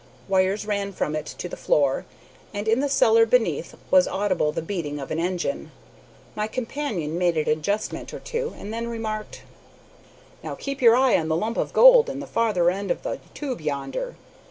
Wires ran from it to the floor, and in the cellar beneath was audible the beating of an engine. My companion made an adjustment or two, and then remarked: "Now, keep your eyes on the lump of gold in the farther end of the tube yonder.